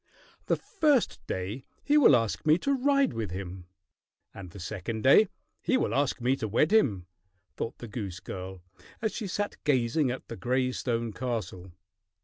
"The first day he will ask me to ride with him, and the second day he will ask me to wed him," thought the goose girl, as she sat gazing at the gray stone castle.